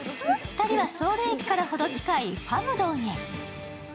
２人はソウル駅から程近いファムドンへ。